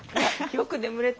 よく眠れた！